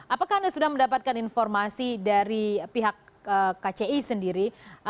apakah anda sudah mendapatkan informasi dari pihak kci sendiri